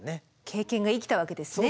経験が生きたわけですね。